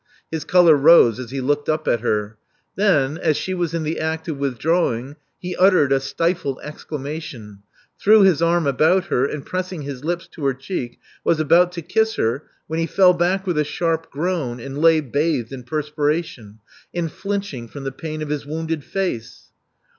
His color rose as he looked up at her. Then, as she was in the act of withdrawing, he uttered, a stifled exclamation; threw his arm about her; and pressing his lips to her cheek, was about to kiss her, when he fell back with a sharp groan, and lay bathed in perspiration, and flinching from the pain of his wounded face.